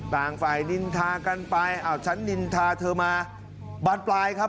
ต่างฝ่ายนินทากันไปอ้าวฉันนินทาเธอมาบานปลายครับ